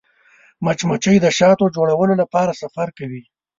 مچمچۍ د شاتو د جوړولو لپاره سفر کوي